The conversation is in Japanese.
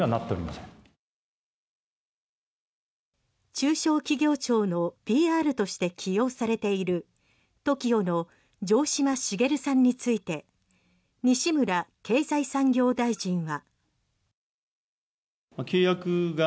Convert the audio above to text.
中小企業庁のＰＲとして起用されているＴＯＫＩＯの城島茂さんについて西村経済産業大臣は。